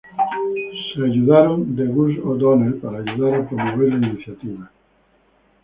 Se ayudaron de Gus O'Donnell para ayudar a promover la iniciativa.